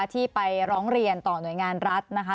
ที่ไปร้องเรียนต่อหน่วยงานรัฐนะคะ